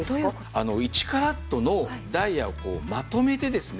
１カラットのダイヤをまとめてですね